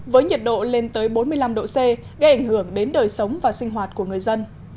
với nhiệt độ lên tới bốn mươi năm độ c gây ảnh hưởng đến đời sống và sinh hoạt của người dân